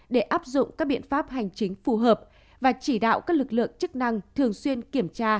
để áp dụng các biện pháp hành chính phù hợp và chỉ đạo các lực lượng chức năng thường xuyên kiểm tra